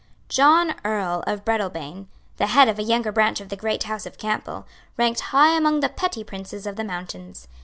John Earl of Breadalbane, the head of a younger branch of the great House of Campbell, ranked high among the petty princes of the mountains.